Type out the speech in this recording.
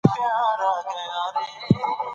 زردالو د افغانانو ژوند په بېلابېلو بڼو اغېزمن کوي.